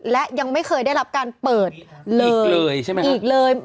และยังไม่เคยได้รับการเปิดอีกเลย